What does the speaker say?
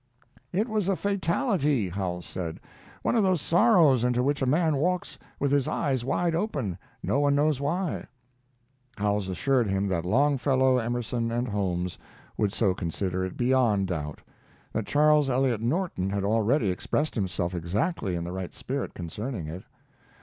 "It was a fatality," Howells said. "One of those sorrows into which a man walks with his eyes wide open, no one knows why." Howells assured him that Longfellow, Emerson, and Holmes would so consider it, beyond doubt; that Charles Eliot Norton had already expressed himself exactly in the right spirit concerning it.